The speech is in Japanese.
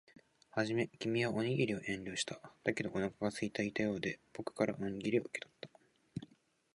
はじめ、君はおにぎりを遠慮した。だけど、お腹が空いていたようで、僕からおにぎりを受け取った。